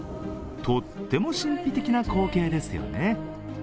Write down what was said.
とっても神秘的な光景ですよね。